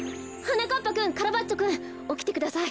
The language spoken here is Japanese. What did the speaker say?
なかっぱくんカラバッチョくんおきてください。